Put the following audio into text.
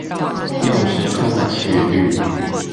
用時空的曲率